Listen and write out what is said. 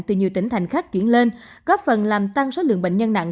từ nhiều tỉnh thành khác chuyển lên góp phần làm tăng số lượng bệnh nhân nặng